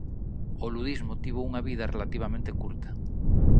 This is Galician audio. O ludismo tivo unha vida relativamente curta.